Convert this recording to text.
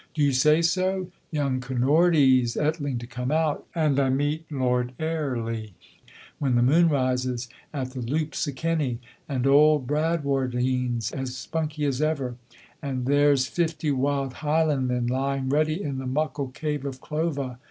"Do you say so?" "Young Kinnordy's ettling to come out, and I meet Lord Airlie, when the moon rises, at the Loups o' Kenny, and auld Bradwardine's as spunky as ever, and there's fifty wild Highlandmen lying ready in the muckle cave of Clova."